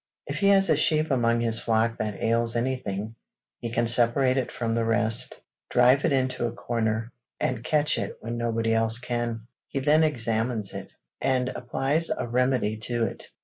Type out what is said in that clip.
If he has a sheep among his flock that ails anything, he can separate it from the rest, drive it into a corner, and catch it when nobody else can; he then examines it, and applies a remedy to it.